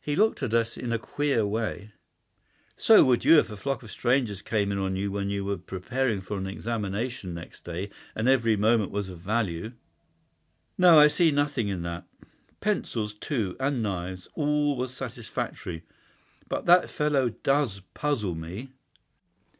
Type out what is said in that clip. "He looked at us in a queer way." "So would you if a flock of strangers came in on you when you were preparing for an examination next day, and every moment was of value. No, I see nothing in that. Pencils, too, and knives—all was satisfactory. But that fellow DOES puzzle me."